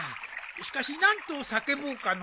しかし何と叫ぼうかのう。